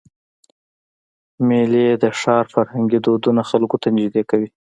میلې د ښار فرهنګي دودونه خلکو ته نږدې کوي.